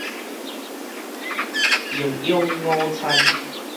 營養午餐